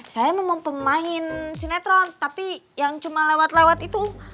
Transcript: saya memang pemain sinetron tapi yang cuma lewat lewat itu